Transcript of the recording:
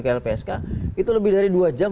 ke lpsk itu lebih dari dua jam